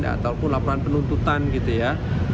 ataupun laporan penuntutan gitu ya